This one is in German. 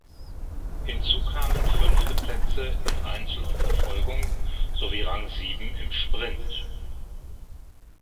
Hinzu kamen fünfte Plätze in Einzel und Verfolgung sowie Rang sieben im Sprint.